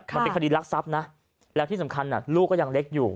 มันเป็นคดีรักทรัพย์นะแล้วที่สำคัญลูกก็ยังเล็กอยู่